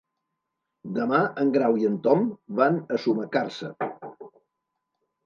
Demà en Grau i en Tom van a Sumacàrcer.